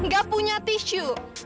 ga punya tisu